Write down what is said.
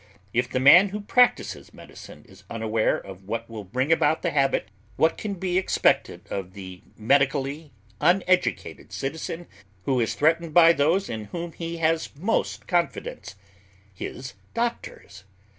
If the man who practises medicine is unaware of what will bring about the habit, what can be expected of the medically uneducated citizen who is threatened by those in whom he has most confidence his doctors?